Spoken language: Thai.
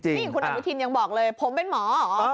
นี่คุณอนุทินยังบอกเลยผมเป็นหมอเหรอ